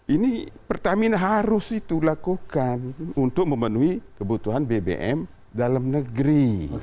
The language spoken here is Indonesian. ini pertamina harus itu lakukan untuk memenuhi kebutuhan bbm dalam negeri